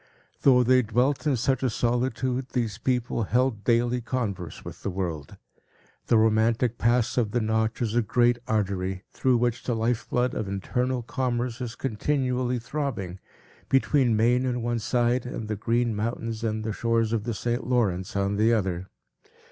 Though they dwelt in such a solitude, these people held daily converse with the world. The romantic pass of the Notch is a great artery, through which the life blood of internal commerce is continually throbbing, between Maine on one side and the Green Mountains and the shores of the St. Lawrence on the other.